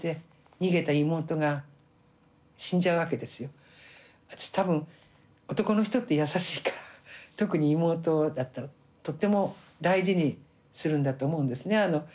その方はやっぱり多分男の人って優しいから特に妹だったらとっても大事にするんだと思うんですね。